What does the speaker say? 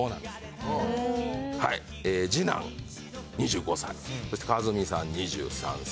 はい次男２５歳そして数美さん２３歳。